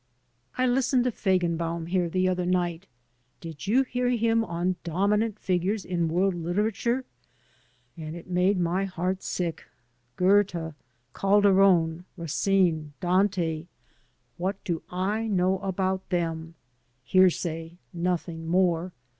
I listened to Feigenbaum here the other night — did you hear him on ^Dominant Figures in World literature?' — ^and it made my heart sick. Goethe, Calderon, Racine, Dante, what do I know about them? Hearsay, nothing more.